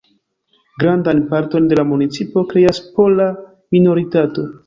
Grandan parton de la municipo kreas pola minoritato.